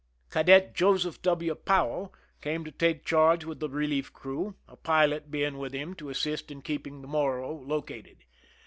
Cadet Joseph W. Powell came to take charge with the relief crew, a pilot being with him to assist in keeping the Morro located.